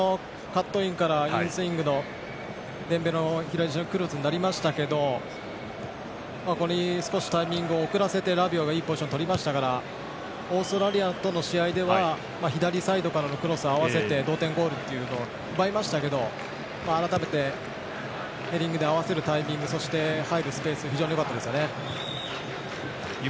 カットインからインスイングのデンベレのクロスになりましたけどこれに少しタイミングを遅らせてラビオが、いいポジションをとりましたからオーストラリアとの試合では左サイドからクロスを合わせて同点ゴールというのを奪いましたけど改めて、ヘディングで合わせるタイミングそして、入るスペース非常によかったですね。